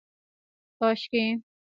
کاشکي